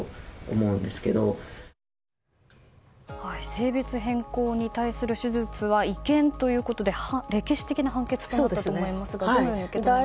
性別変更に対する手術は違憲ということで歴史的な判決となったと思いますがどのように受け止めますか。